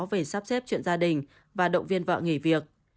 về sắp xếp chuyện gia đình và động viên vợ nghỉ việc